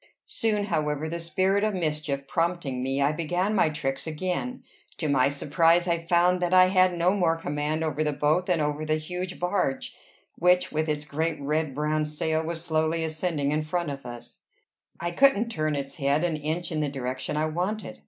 Soon, however, the spirit of mischief prompting me, I began my tricks again: to my surprise I found that I had no more command over the boat than over the huge barge, which, with its great red brown sail, was slowly ascending in front of us; I couldn't turn its head an inch in the direction I wanted.